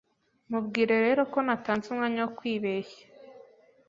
Mubwire rero ko natanze umwanya wo kwibeshya